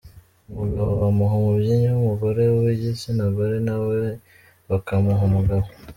Umugabo bamuha umubyinnyi w’umugore, uw’igitsinagore na we bakamuha umugabo.